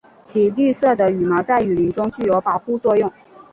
其绿色的羽毛在雨林中具有保护作用。